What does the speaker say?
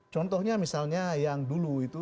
contohnya misalnya yang dulu itu